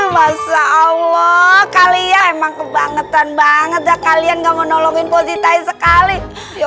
masa allah kalian emang kebangetan banget kalian nggak menolongin positif sekali ya